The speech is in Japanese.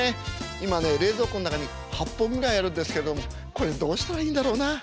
今ね冷蔵庫の中に８本ぐらいあるんですけれどもこれどうしたらいいんだろうな。